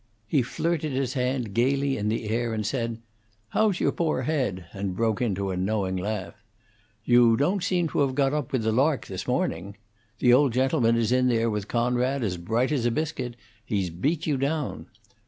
He flirted his hand gayly in the air, and said, "How's your poor head?" and broke into a knowing laugh. "You don't seem to have got up with the lark this morning. The old gentleman is in there with Conrad, as bright as a biscuit; he's beat you down.